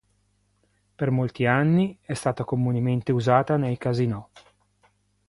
Per molti anni è stata comunemente usata nei casinò.